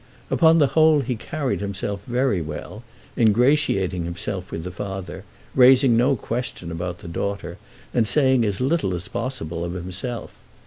Upon the whole he carried himself very well, ingratiating himself with the father, raising no question about the daughter, and saying as little as possible of himself.